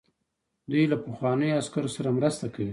دوی له پخوانیو عسکرو سره مرسته کوي.